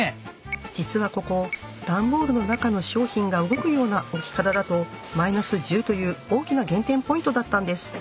実はここ段ボールの中の商品が動くような置き方だとマイナス１０という大きな減点ポイントだったんです。